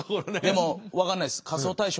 でも分かんないっす。